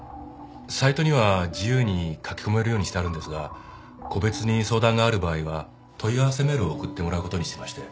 サイトには自由に書き込めるようにしてあるんですが個別に相談がある場合は問い合わせメールを送ってもらうことにしてまして。